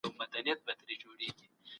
د تقاضا او عرضې مساوات مه خرابوئ.